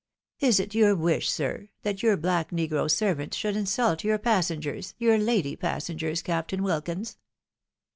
Is it your wish, sir, that your black negro servant should insult your passengers, your lady passengers. Captain Wilkins?"